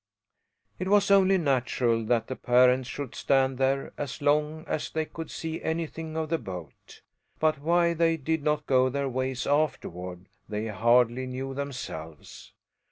It was only natural that the parents should stand there as long as they could see anything of the boat, but why they did not go their ways afterward they hardly knew themselves.